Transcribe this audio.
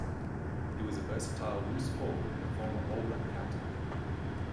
He was a versatile loose forward and a former All Black captain.